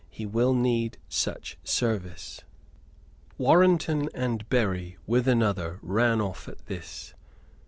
He will need such service." Warrenton and Berry, with another, ran off at this.